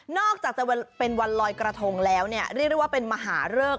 นอกจากจะเป็นวันลอยกระทงแล้วเรียกว่าเป็นมหาเลิก